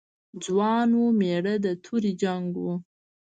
ځوان و، مېړه د تورې جنګ و.